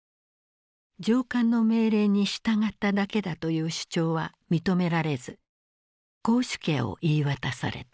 上官の命令に従っただけだという主張は認められず絞首刑を言い渡された。